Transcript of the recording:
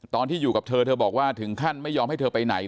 ตอนที่อยู่กับเธอเธอบอกว่าถึงขั้นไม่ยอมให้เธอไปไหน